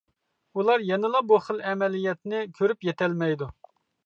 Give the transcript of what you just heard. ئۇلار يەنىلا بۇ خىل ئەمەلىيەتنى كۆرۈپ يېتەلمەيدۇ.